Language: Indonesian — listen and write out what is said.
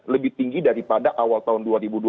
lebih tinggi daripada awal tahun dua ribu dua puluh